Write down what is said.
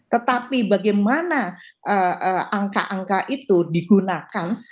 tetapi bagaimana angka angka itu digunakan